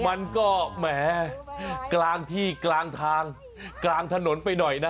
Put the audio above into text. มันก็แหมกลางที่กลางทางกลางถนนไปหน่อยนะ